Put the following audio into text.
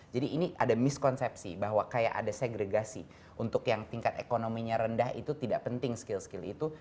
jadi ini ada miskonsepsi bahwa kayak ada segregasi untuk yang tingkat ekonominya rendah itu tidak penting skill skill itu